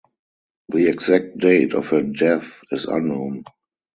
The exact date of her death is unknown.